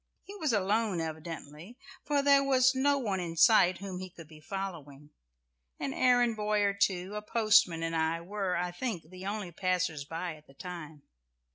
He was alone evidently, for there was no one in sight whom he could be following an errand boy or two, a postman and I, were, I think, the only passers by at the time.